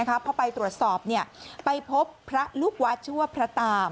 พอไปตรวจสอบไปพบพระลูกวัดชื่อว่าพระตา